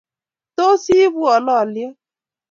Tos iibwo lolyot?